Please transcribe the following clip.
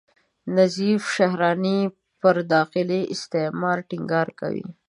نظیف شهراني پر داخلي استعمار ټینګار کوي.